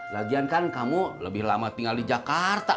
lagian kan kamu lebih lama tinggal di jakarta